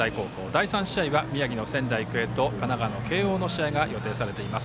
第３試合は宮城・仙台育英と神奈川の慶応の試合が予定されています。